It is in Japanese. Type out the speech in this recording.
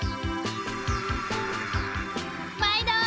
まいど！